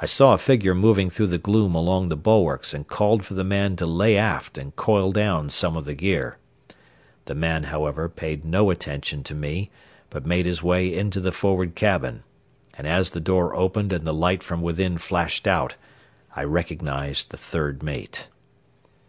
I saw a figure moving through the gloom along the bulwarks and called for the man to lay aft and coil down some of the gear. The man, however, paid no attention to me, but made his way into the forward cabin, and as the door opened and the light from within flashed out I recognized the third mate.